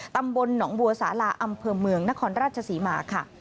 ตำบลหนองบัวสาลาอำเภอเมืองนครราชศรีมาค่ะ